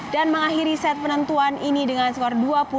dan mengakhiri set penentuan ini dengan skor dua puluh lima tujuh belas